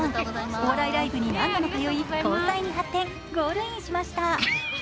お笑いライブに何度も通い交際に発展、ゴールインしました。